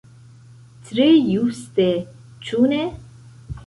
Tre juste, ĉu ne?